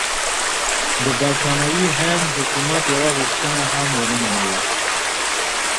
د برټانوي هند حکومت یوه غوښتنه هم ونه منله.